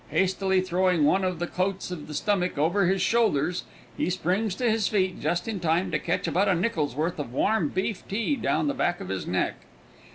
Hastily throwing one of the coats of the stomach over his shoulders, he springs to his feet just in time to catch about a nickel's worth of warm beef tea down the back of his neck.